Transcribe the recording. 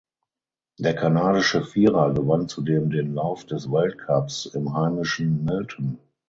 Der kanadische Vierer gewann zudem den Lauf des Weltcups im heimischen Milton.